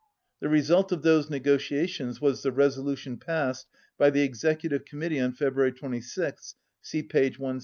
The result of those negotiations was the resolution passed by the Executive Committee on February 26th (see page 166).